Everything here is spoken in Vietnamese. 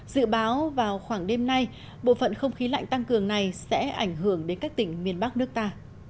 dự báo vào khoảng đêm nay bộ phận không khí lạnh tăng cường này sẽ ảnh hưởng đến các tỉnh miền bắc nước ta